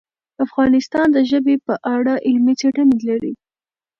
افغانستان د ژبې په اړه علمي څېړنې لري.